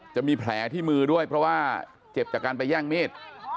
จะมีแผลที่มือด้วยเพราะว่าเจ็บจากการไปแย่งมีด